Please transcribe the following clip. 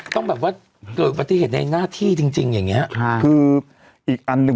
ต้องแบบว่าเกิดอุบัติเหตุในหน้าที่จริงจริงอย่างเงี้ยค่ะคืออีกอันหนึ่ง